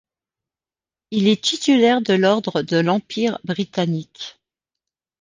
Il est titulaire de l'Ordre de l'Empire britannique.